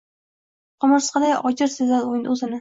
Qumursqaday ojiz sezar o’zini.